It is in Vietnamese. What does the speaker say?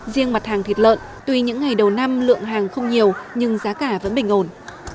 riêng mặt hàng thịt lợn tuy những ngày đầu năm lượng hàng không nhiều nhưng giá cả vẫn bình ổn